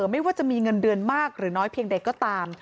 ไม่ว่าจะมีเงินเดือนมากหรือน้อยเพียงใดก็ตาม